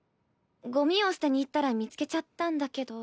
ゴミを捨てに行ったら見つけちゃったんだけど。